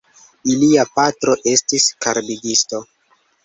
Ilia patro estis karbigisto.